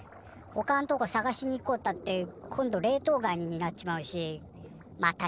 ほかんとこ探しに行こうったって今度冷凍ガニになっちまうしま